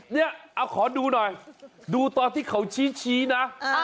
เนี่ยเอาขอดูหน่อยดูตอนที่เขาชี้นะ